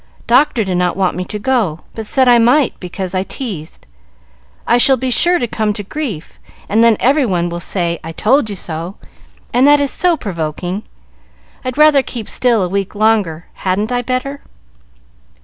Doctor did not want me to go, but said I might because I teased. I shall be sure to come to grief, and then every one will say, 'I told you so,' and that is so provoking. I'd rather keep still a week longer. Hadn't I better?"